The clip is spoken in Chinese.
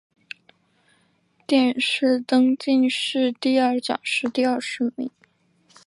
殿试登进士第二甲第二十名。